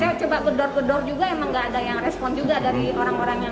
saya coba kedor kedor juga emang gak ada yang respon juga dari orang orang yang